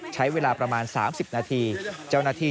ใช้เวลาประมาณ๓๐นาที